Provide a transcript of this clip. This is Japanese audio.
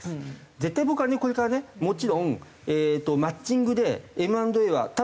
絶対僕はねこれからねもちろんマッチングでＭ＆Ａは多分出てきますよ。